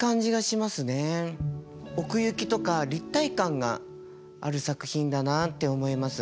奥行きとか立体感がある作品だなあって思います。